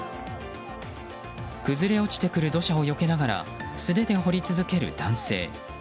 崩れ落ちてくる土砂をよけながら素手で掘り続ける男性。